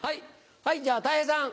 はいじゃたい平さん。